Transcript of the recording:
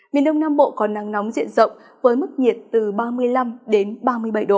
miền đông nam bộ có nắng nóng diện rộng với mức nhiệt từ ba mươi năm đến ba mươi bảy độ